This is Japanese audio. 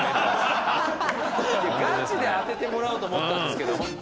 ガチで当ててもらおうと思ってたんですけど。